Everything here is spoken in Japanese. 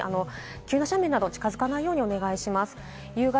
急斜面などに近づかないようにお願いします。